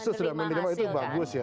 gesture sudah mengatakan itu bagus ya